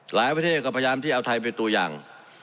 หลายประเทศก็พยายามที่เอาไทยเป็นตัวอย่าง